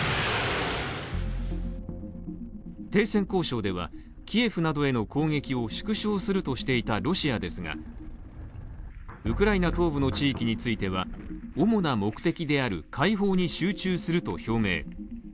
停戦交渉ではキエフなどへの攻撃を縮小するとしていたロシアですがウクライナ東部の地域については主な目的である解放に集中すると表明。